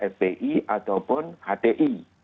fbi ataupun hti